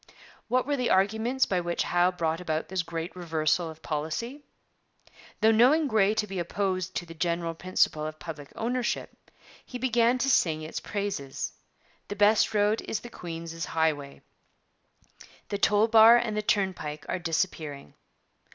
' What were the arguments by which Howe brought about this great reversal of policy? Though knowing Grey to be opposed to the general principle of public ownership, he began by singing its praises. The best road is the queen's highway. The toll bar and the turn pike are disappearing.